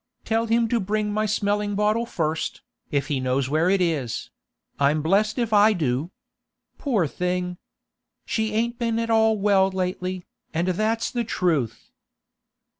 Tell him to bring my smelling bottle first, if he knows where it is—I'm blest if I do! Poor thing! She ain't been at all well lately, and that's the truth.